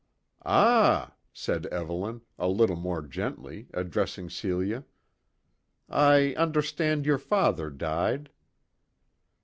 "Ah!" said Evelyn, a little more gently, addressing Celia; "I understand your father died."